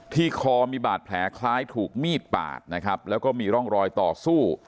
คอมีบาดแผลคล้ายถูกมีดปาดนะครับแล้วก็มีร่องรอยต่อสู้